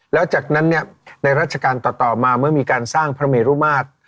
แล้วจากนั้นในราชการต่อมาเมื่อมีการสร้างพระเมรุมาตร